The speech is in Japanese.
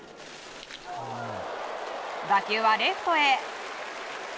打球はレフトへ。